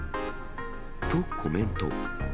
とコメント。